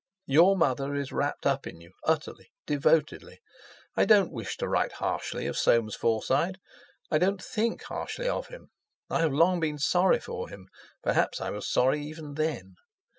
Your mother is wrapped up in you, utterly, devotedly. I don't wish to write harshly of Soames Forsyte. I don't think harshly of him. I have long been sorry for him; perhaps I was sorry even then.